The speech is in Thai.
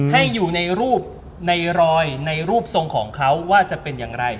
ให้อยู่ในรูปในรอยในรูปทรงของเขาว่าจะเป็นอย่างไร